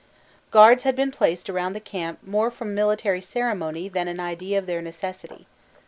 Guards had been placed around the camp more from military ceremony than an idea of their necessity.